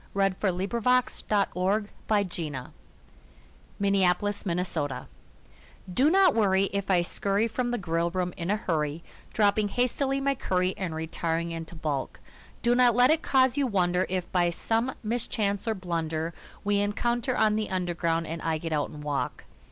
CUPID'S DARTS (Which are a growing menace to the public) Do not worry if I scurry from the grill room in a hurry, Dropping hastily my curry and re tiring into balk ; Do not let it cause you wonder if, by some mischance or blunder, We encounter on the Underground and I get out and walk.